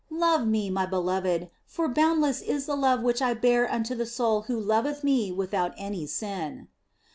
Love Me, My beloved, for boundless is the love which I bear unto the soul who loveth Me without any sin."